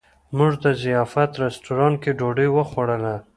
موږ په ضیافت رسټورانټ کې ډوډۍ وخوړله.